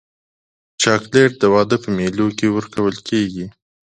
چاکلېټ د واده په مېلو کې ورکول کېږي.